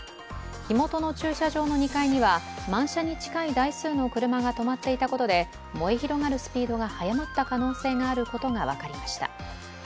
火元の駐車場の２階には満車に近い台数の車が止まっていたことで燃え広がるスピードが早まった可能性があることが分かりました。